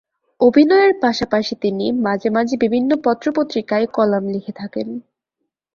অভিনয়ের পাশাপাশি তিনি মাঝে মাঝে বিভিন্ন পত্র-পত্রিকায় কলাম লিখে থাকেন।